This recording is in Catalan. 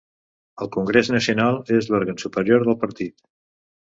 El Congrés Nacional és l'òrgan superior del Partit.